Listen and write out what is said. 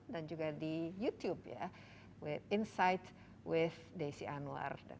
dan juga di youtube ya insight with desy anwar